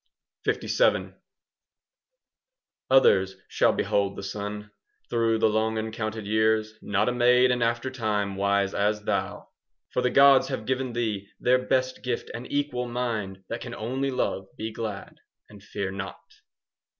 LVII Others shall behold the sun Through the long uncounted years,— Not a maid in after time Wise as thou! For the gods have given thee Their best gift, an equal mind 5 That can only love, be glad, And fear not.